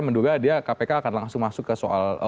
menduga dia kpk akan langsung masuk ke soal